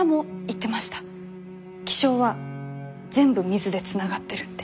気象は全部水でつながってるって。